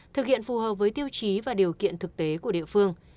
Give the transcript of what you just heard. thực hiện phù hợp với tiêu chí và điều kiện thực tế của địa phương